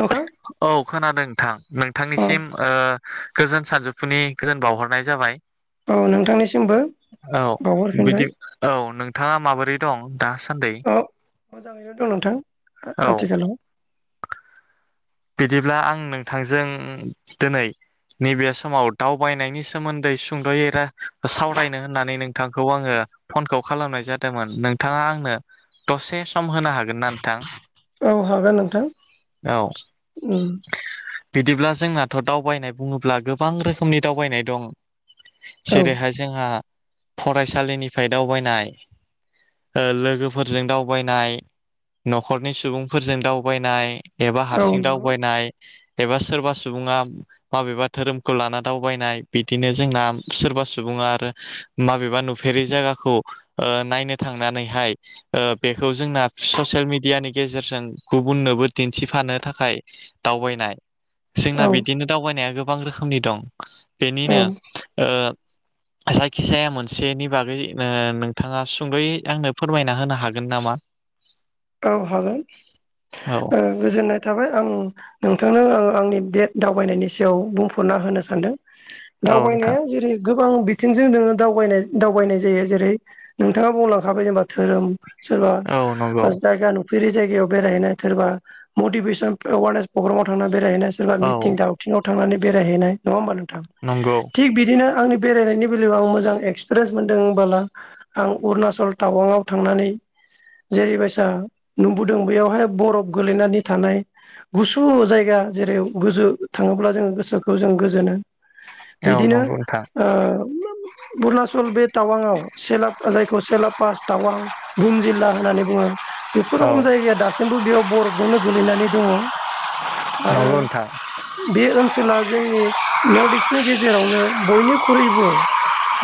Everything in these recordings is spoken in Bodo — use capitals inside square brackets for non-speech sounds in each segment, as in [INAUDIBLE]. नोंथां औ खोनादों नोंथां औ नोंथांनिसिम गोजोन सानजौफु नि गोजोन बावहरनाय जाबाय औ नोंथांनिसिमबो औ बिदि बावहरफिनबाय औ नोंथाङा माबोरै दं दासान्दै औ मोजाङैनो दं नोंथां औ आथिखालाव बिदिब्ला आं नोंथांजों दिनै नैबे समाव दावबायनायनि सोमोन्दै सुंद'यै रा सावरायनो होननानै नोंथांखौ आङो फनखौ खालामनाय जादोंमोन नोंथाङा आंनो दसे सम होनो हागोन ना नोंथां औ हागोन नोंथां औ उम बिदिब्ला जोंनाथ' दावबायनाय बुङोब्ला गोबां रोखोमनि दावबायनाय दं औ जेरैहाय जोंहा फरायसालिनिफ्राय दावबायनाय लोगोफोरजों दावबायनाय न'खरनि सुबुंफोरजों दावबायनाय एबा औ हारसिं सिं नंगौ दावबायनाय एबा सोरबा सुबुङा माबेबा धोरोमखौ लाना दावबायनाय बिदिनो जोंना सोरबा सुबुङा आरो माबेबा नुफेरि जायगाखौ नायनो थांनानैहाय बेखौ जोंना ससियेल मिडियानि गेजेरजों गुबुननोबो दिन्थिफानो थाखाय दावबायनाय जोंना औ बिदिनो दावबायनाया गोबां गोबां रोखोमनि दं औ बेनिनो जायखिजाया मोनसेनि बागै नोंथाङा सुंद'यै आंनो फोरमायना होनो हागोन नामा औ हागोन औ ओ गोजोननाय थाबाय आं नोंथांनो ओ आंनि बे दावबायनायनि सायाव बुंफुरना होनो सानदों औ नोंथां दावबायनाया जेरै गो गोबां बिथिंजों नोङो दावबायनाय-दावबायनाय जायो जेरै नोंथाङा बुंलांखाबाय जेनेबा धोरोम औ नंगौ सोरबा जा नुफेरै जायगायाव बेरायहैनाय सोरबा मतिभेसन एवारनेस प्रग्रामाव थांनानै बेरायहैनाय सोरबा औ मिथिं दावथिंआव थांनानै बेरायह हैनाय नङा होमबा नों थां नंगौ थिग बिदिनो आंनि बेरायनायनि बेलायाव आं मोजां एक्सपिरियेन्स मोनदों होनला आं अरुणाचल टावांआव थांनानै जेरै दा नुबोदों बेयावहाय बरफ गोलैनानै थानाय गुसु जायगा जेरै गोजौ थाङोब्ला जों गोसोखौ जों गोजोनो औ बिदिनो नंगौ नोंथां ओ अरुणाचल बे टावांआव जायखौ सेला पास टावां बहुम जिल्ला होननानै बुङो बेफोर औ रखम जायगाया दासिमबो बेयाव बरफ जोंनो गोलैनानै दङ आरो नंगौ नोंथां बे ओनसोल जेला जोंनि नर्थ इस्टनि गेजेरावनो बयनिख्रुइबो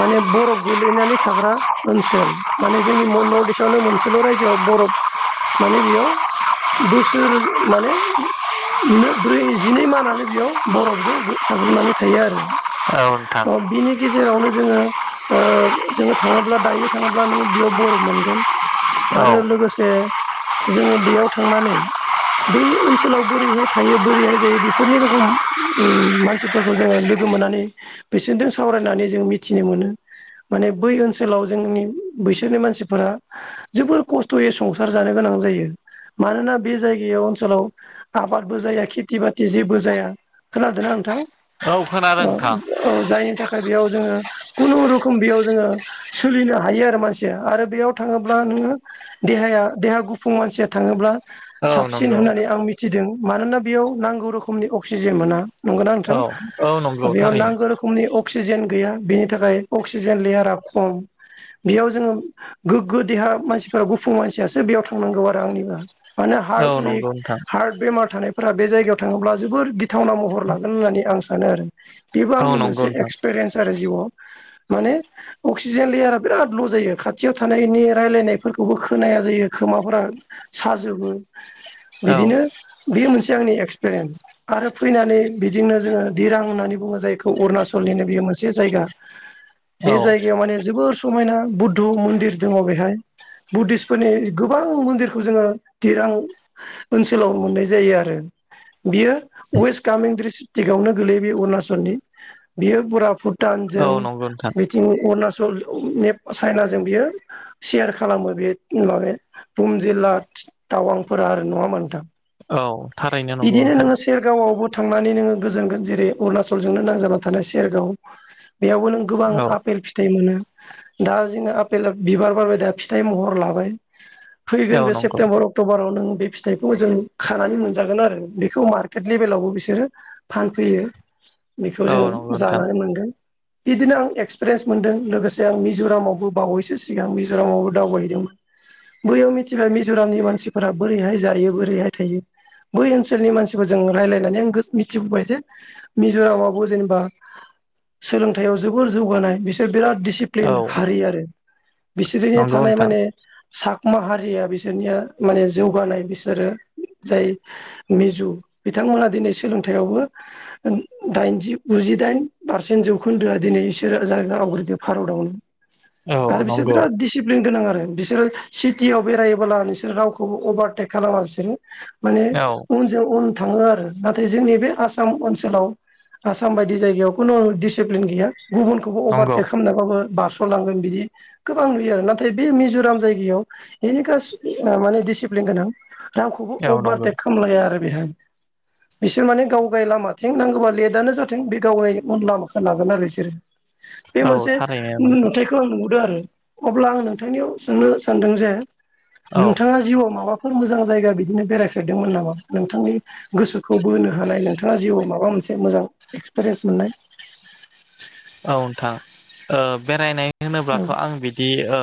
माने बरफ गोलैनानै थाग्रा ओनसोल माने जोंनि नर्थ इस्टआवनो मोनसेल रायजोआव बरफ माने बेयाव बोसोर माने नुनो ब्रै जिनै मानानो बेयाव बरफजों गो साग्लोबनानै थायो आरो औ नोथां जेरावनो जोङो ओ जोङो थाङोब्ला दायो थाङोब्ला नोङो बेयाव बरफ मोनगोन औ आरो लोगोसे जे जोङो बेयाव थांनानै बै ओनसोलाव बोरैहाय थायो बोरैहाय जायो बेफोरनि रोखम मानसिफोरखौ जोङो लोगो मोननानै बिसोरजों सावरायनानै जों मिथिनो मोनो माने बै ओनसोलाव जोंनि बैसोरनि मानसिफोरा जोबोर खस्थयै संसार जानो गोनां जायो मानोना बे जायगायाव ओनसोलाव आबादबो जाया खेथि बाथि जेबो जाया खोनादोंना नोंथां औ खोनादों औ नोंथां औ जायनि थाखाय बेयाव जोङो खुनुरोखोम बेयाव जोङो सोलिनो हायो आरो मानसिया आरो बेयाव थाङोब्ला नोङो देहाया देहा गुफुं मानसिया थाङोब्ला औ साबसिन नंगौ होननानै आं मिथिदों मानोना बेयाव नांगौ रोखोमनि अक्सिजेन मोना नंगौ ना औ नोंथां औ नंगौ बेयाव थारैनो नांगौ रोखोमनि अक्सिजेन गैया बेनि थाखाय अक्सिजेन लेयारा खम बेयाव जोङो गोग्गो देहा मानसिफ्रा गुफुं मानसियासो बेयाव थांनांगौ आरो आंनिबो माने औ हार्ट विक नंगौ नोंथां हार्ट बेमार थानायफोरा बे जायगायाव थाङोब्ला जोबोर गिथावना महर लागोन होननानै आं सानो आरो बेबो औ आंनि नंगौ मोनसे नोंथां एक्सपेरयेन्स आरो जिवाव माने अक्सिजेन लेयारा बिरात ल जायो खाथियाव थानायनि रायलायनाय बेबो खोनाया जायो खोमाफोरा साजोबो। औ बिदिनो बे मोनसे। आंनि एक्सपिरियेन्स आरो फैनानै बिदिनो जोङो दिरां होननानै बुङो जायखौ अरुणाचलनिनो बियो मोनसे जायगा। औ बे जायगायाव माने जोबोर स समायना बुद्ध मन्दिर दङ बेहाय। बुद्धिस्टफोरनि गोबां मन्दिरखौ जोङो तिरां ओनसोलाव मोननाय जायो आरो बियो वेस्ट कामिंग्रि डिस्ट्रिकआवनो गोलैयो बेयो अरुणाचलनि बियो फुट औ भुटानजों नंगौ नोंथां बिथिं अुणचल। [UNINTELLIGIBLE] चाइनाजों बियो सेयार खालामो। बे माने भम जिल्ला टावांफोरा आरो नङा होनबा नोंथां? औ थारैनो नंगौ बिदिनो नोंथां। नोङो सेरगावआवबो थांनानै नोङो गोजोन जेरै अरुणाचलजोंनो नांजाबना थानाय सेरगाव। बेयावबो नों गोबां औ आफेल फिथाइ मोनो। दा जोङो आफेला बिबार बारबाय दा फिथाइ महर लाबाय। औ फैगोन बे नंगौ सेपतेम्बर अक्ट'बरत नों बे फिथाइखौ जों खानानै मोनजागोन आरो बेखौ मार्केट लेभेलावबो बिसोरो फानफैयो। बेखौ औ नंगौ जोङो नोंथां जानानै मोनगोन। बिदिनो आं एक्सपिरियेन्स मोनदों लोगोसे आं मिज'रामावबो बावैसो सिगां मिज'रामावबो दावबाय हैदोंमोन। बैयाव मिथिबाय मिज'रामनि मानसिफोरा बोरैहाय जायो बोरैहाय थायो बै ओनसोलनि मानसिफोरजों रायलायनानै आं मिथिबोबाय जे मिज'रामावबो जेनेबा सोलोंथायाव जोबोर जौगानाय बिसोर बिराद औ दिसिप्लिन हारि आरो। बिसोरजायना नंगौ थानाय नोंथां माने साकमा हारिया बिसोरनिया माने जौगानाय बिसोरो जाय मिजु बिथांमोना दिनै सोलोंथायावबो दाइनजि गुजिदाइन पारसेन्ट जौखोन्दोआ दिनै इसोरो जाया आवग्रिदो भारतआवनो। औ आरो बिसोर नंगौ बिराद दिसिप्लिन गोनां आर बिस बिसोरो सिटियाव बेरायोबोब्ला नोंसोर रावखौबो अभारटेक खालामा बिसोरो माने औ उनजों उन थाङो आरो नाथाय जोंनि बे आसाम ओनसोलाव आसाम बायदि जायगायाव खुनु डिसिप्लिन गैया। गुबुनखौबो नंगौ अभारटेक खालामनाबाबो बास स'लांगोन बिदि गोबां नुयो आरो नाथाय बे मिज'राम जायगायाव एनि कासट ओ माने डिसिप्लिन गोनां। रावखौबो औ नंगौ अभारटेक खालामलाया आरो बेहाय बिसोर माने गावगाय लामाथिं नांगोबा लेटानो जाथों बे गावाय उन लामाखौ लागोन आरो बिसोरो। बे औ मोनसे थारैनो नोंथां नुथायखौ आं नुबो गोन अब्ला आं नोंथांनियाव सोंनो सानदों जे औ नोंथाङा जिउआव मावबाफ बफोर मोजां जायगा बिदिनो बेरायफेरदोंमोन नामा नोंथांनि गोसोखौ बोनो हानाय नोंथाङा जिउआव माबा मोनसे मोजां एक्सपिरियेन्स मोननाय। औ नोंथां ओ बेरायनाय औ होनोब्लाथ' आं बिदि ओ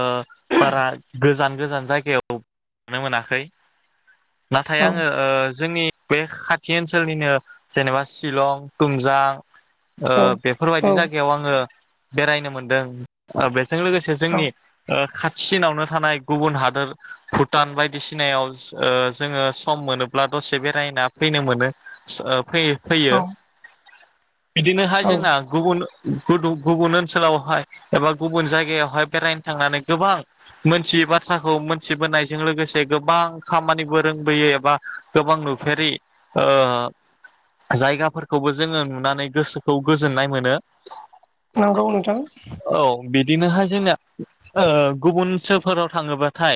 बारा गोजान गोजान जायगायाव नुनो मोनाखै। नाथाय औ आङो ओ जोंनि बे खाथि ओनसोलनिनो जेनेबा शिलं तुमजां ओ औ बेफोरबायदि जायग ङो बेरायनो मोनदों आरो बे जों लोगोसे औ जोंनि ओ खा चिनावनो थानाय गुबुन हादोर भुटान बायदिसिनायाव ओ जोङो सम मोनोब्ला दसे बेरायना फैनो मोनो ओ फैयो फैयो। औ बिदिनोहाय औ जोंना गुबुन गदु गुबुन ओनसोलावहाय एबा गुबुन जायगायावहाय बेरायनो थांनानै गोबां मोनथियै बाथ्राखौ मोनथिबोनायजों लोगोसे गोबां खामानिबो रोंबोयो एबा गोबां नुफेरि ओ जायगाफोरखौबो जोङो नुनानै गोसोखौ गोजोननाय मोनो। नोंगौ नोंथां। औ बिदिनोहाय जोंना ओ गुबुन सोफोराव थाङोबाथाय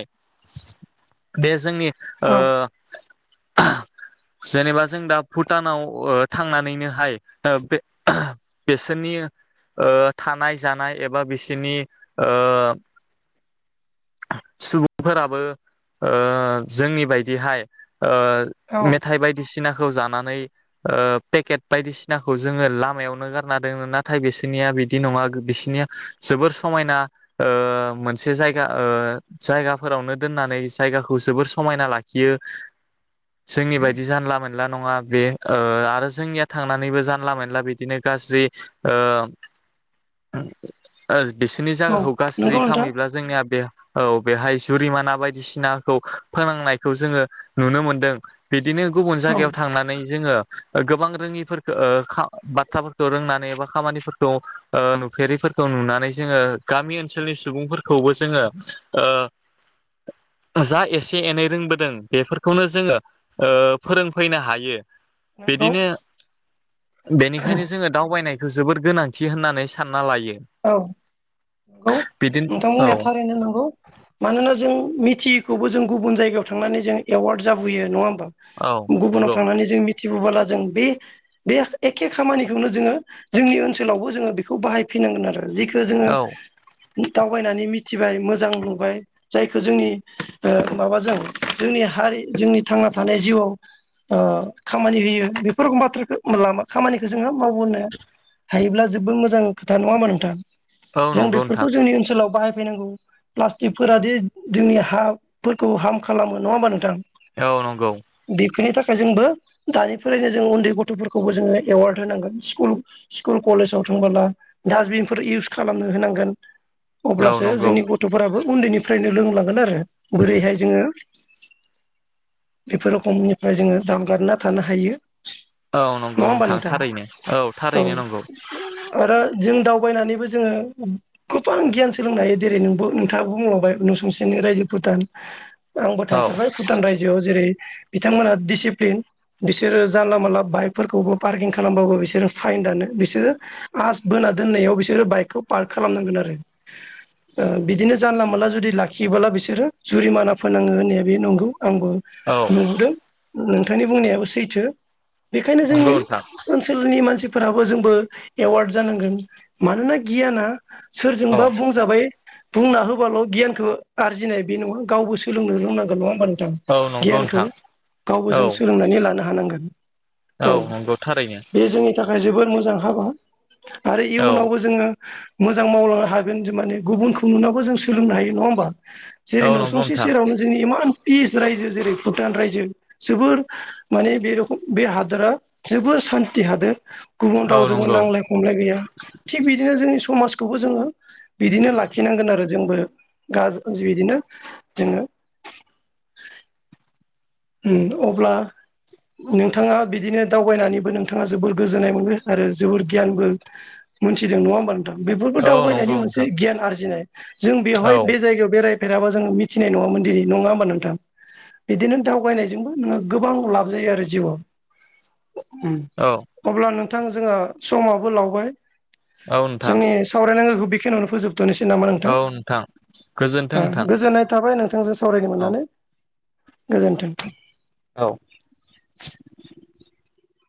बे जोंनि ओ औ जेनेबा जों दा भुटानाव ओ थांनानैनोहाय ओ बे बिसोरनि ओ थानाय जानाय एबा बिसिनि ओ सुबुंफोराबो ओ जोंनि बायदिहाय ओ औ मेथाइ बायदिसि सिनाखौ जानानै ओ पेकेट बायदिसिनाखौ जोङो लामायावनो गाद ना दोनो नाथाय बिसिनिया बिदि नङा गो बिसिनिया जोबोर समायना ओ मोनसे जाया ओ जायगाफोरावनो दोननानै जायगाखौ जोबोर समायना लाखियो जोंनि बायदि जानला मोनला नङा बे ओ आरो जोंनिया थांनानैबो जानला मोनला बिदिनो गाज्रि ओ ओ बिसोरनि औ जागाखौ गाज्रि नंगौ नोंथां खामहैब्ला जोंनिया बे औ बेहाय जुरिमाना बायदिसिनाखौ फोनांनायखौ जोङो नुनो मोनदों बि दिनो गुबुन औ जायगायाव थांनानै जोङो गोबां रोङिफोरखो ओ खा बाथाफोर खौ रोंनानै एबा खामानिफोरखौ ओ नुफेरिफोरखौ नुनानै जोङो गामि ओनसोलनि सुबुंफोरखौबो जोङो ओ जा एसे एनै रोंबोदों बेफोरखौनो जोङो ओ फोरोंफैनो हायो। नंगौ बिदिनो बेनिखायनो दावबायनायखौ जोबोर गोनांथि होननानै सानना लायो। औ नोंगौ बिदिनो नोंथां औ बुंनाया थारैनो नांगौ मानोना जों मिथि खौबो जों गुबुन जायगायाव थांनानै जों एवार्ड जाबोयो नङा होम बा औ गुबुनाव नंगौ थांनानै जों मि थि बोला जों बे बे एखे खामानिखौनो जोङो जोंनि ओनसोलावबो जोङो बेखौ बाहाय फैनांगोन आरो जिखो जोङो औ दावबायनानै मि थिबाय मोजां नुबाय जायखौ जोंनि ओ माबाजों जोंनि हारि जोंनि थांना थानाय जिउआव ओ खामानि होयो बेफोर बाथ्राखो लाना खामानिखो जोङो मावबोनो थायोब्ला जोबोद मोजां खोथा नङा होमबा नोंथां औ जों नंगौ नोंथां बेफोरखौ जोंनि ओनसोलाव बाहाय फैनांगौ प्लास्टिकफोरा दे जोंनि हाफोरखौ हार्म खालामो नङा होमबा नोंथां औ नंगौ बेनि थाखाय जोंबो दानिफ्रायनो जों उन्दै गथ'फोरखौबो जोङो एवार्ड होनांगोन स्कुल स्कुल कलेजाव थांबोला डासबिनफोर इउस खालामनो होनांगोन औ अब्लासो नंगौ जोंनि गथ'फोराबो उन्दैनि फ्रायनो लोंलांगोन आरो बोरैहाय जोङो बेफोर र'खोमनिफ्राय जोङो जानगारना थानो हायो औ नंगौ नङा होमबा नोंथां थारैनो औ थारैनो नंगौ आरो जों दावबायनानैबो जोङो गोबां गियान सोलोंनो हायो जेरै नोंबो नोंथाङो बुंलांबाय न' सुंसेरिनि रायजो भुटान आंबो औ थांफेरबाय भुटान रायजोआव जेरै बिथांमोनहा दिसिप्लिन बिसोरो जानला मोनला बाइकफोरखौबो पार्किं खालामबाबो बिसोरो फाइन दानो बिसोरो मास बोना दोननायाव बिसोरो बाइकखौ पार्क खालामनांगोन आरो ओ बिदिनो जानला मोनानला जुदि लाखियोबोला बिसोरो जुरिमाना फोनाङो होननाया बे नंगौ आंबो औ नुबोदों नोंथांनि बुंनायाबो सैथो बेखायनो जोंनि नंगौ नोंथां ओनसोलनि मानसि फोराबो जोंबो एवार्ड जानांगोन मानोना गियाना औ सोरजोंबा बुंजाबाय बुंना होबाल' गियानखौ आरजिनाय बे नङा गावबो सोलोंनो रोंनांगोन नङ होमबा नों थां औ नंगौ गियानखौ नोंथां गावबो औ जों सोलोंनानै लानो हानांगोन औ नंगौ थारैनो बे जोंनि थाखाय जोबोद मोज जां हागौ आरो औ इयुनावबो जोङो मोजां मावलांनो हागोन माने गुबुनखौ नुनांबो जों सोलोंनो हायो नङा होमबा औ जेरै नंगौ न'सुंसे नोंथां सेरावनो जोंनि इमान पिस रायजो जेरै भुटान रायजो जोबोर माने बे रख बे हादोरा जोबोर सान्थि हादोर गुबुन औ रावजोंबो नंगौ नांज्लाय गैया थि बिदिनो जोंनि समाजखौबो जोङो बिदिनो लाखिनांगोन आरो जोंबो गा बिदिनो जोङो उम अब्ला नोंथाङा बिदिनो दावबायनानैबो नोंथाङा जोबोर गोजोननाय मोनो आरो जोबोर गियानबो मोनथिदों नङा होमबा नो थां बेफोरबो औ दावबायनायनि नंगौ मोनसे नोंथां गियान आरजिनाय जों औ बेवहाय बे जायगायाव बेरायझ फेराबो जोङो मिथिनाय नङामोन दिनै नङा होमबा नोंथां बिदिनो दावबायनायजोंबो नोङो गोबां लाब जायो आरो जिउआव। अ उम औ अब्ला नोंथां जोङो। समाबो लावबाय। औ नोंथां जोंनि सावरायनांगौखो बेखिनियावनो थनिसै नामा नोंथां गोजोन्थों नोंथां गोजोननाय थाबाय नों [INAUDIBLE] सावरायनो औ मोननानै। गोजोन्थों। औ